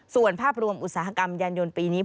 ส่วนภาพรวมอุตสาหกรรมยานยนต์ปีนี้